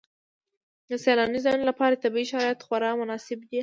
د سیلاني ځایونو لپاره طبیعي شرایط خورا مناسب دي.